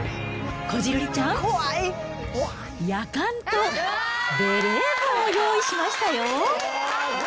こじるりちゃん、やかんとベレー帽、用意しましたよ。